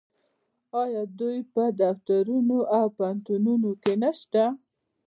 آیا دوی په دفترونو او پوهنتونونو کې نشته؟